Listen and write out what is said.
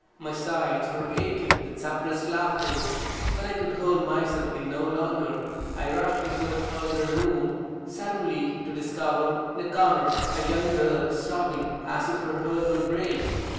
My sides were aching with suppressed laughter. When I could hold myself in no longer, I rushed into a further room, suddenly to discover, in a corner, a young girl sobbing as if her heart would break.